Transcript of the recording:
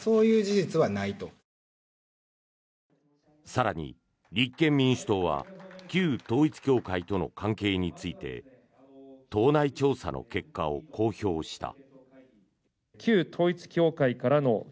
更に、立憲民主党は旧統一教会との関係について党内調査の結果を公表した。